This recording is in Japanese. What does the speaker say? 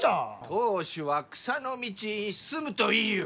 当主は草の道に進むと言いゆう！